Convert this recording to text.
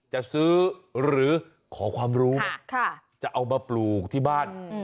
จะซื้อหรือขอความรู้จะเอามาปลูกที่บ้าน